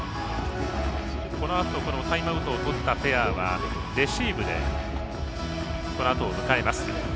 このあとタイムアウトをとったペアはレシーブでこのあとを迎えます。